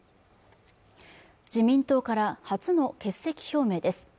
自民党から初の欠席表明です